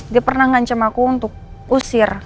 dia pernah ngancam aku untuk usir